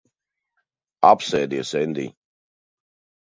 Apsēdies, Endij.